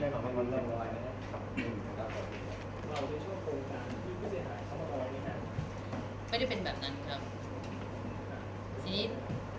ขอบคุณครับ